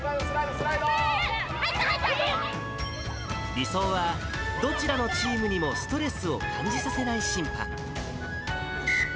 理想は、どちらのチームにもストレスを感じさせない審判。